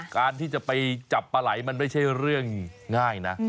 การที่จะไปจับปลาไหล่มันไม่ใช่เรื่องง่ายนะ